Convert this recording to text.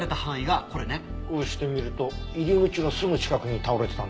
こうして見ると入り口のすぐ近くに倒れてたんだね。